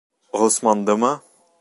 Ғосмандымы?